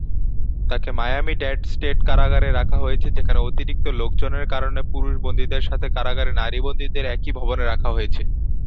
তাকে Miami Dade state কারাগারে রাখা হয়েছে, যেখানে অতিরিক্ত লোকজনের কারণে পুরুষ বন্দীদের সাথে কারাগারের নারী বন্দীদের একই ভবনে রাখা হয়েছে।